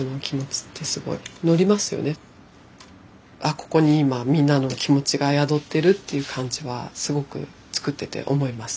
ここに今みんなの気持ちが宿ってるっていう感じはすごく作ってて思います。